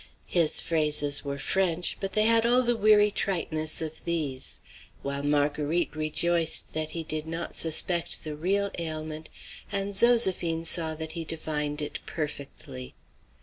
His phrases were French, but they had all the weary triteness of these; while Marguerite rejoiced that he did not suspect the real ailment, and Zoséphine saw that he divined it perfectly.